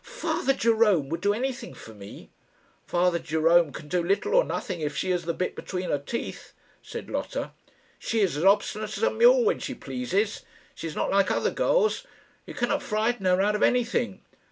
"Father Jerome would do anything for me." "Father Jerome can do little or nothing if she has the bit between her teeth," said Lotta. "She is as obstinate as a mule when she pleases. She is not like other girls. You cannot frighten her out of anything."